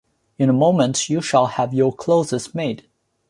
In a moment you shall have your clothes made.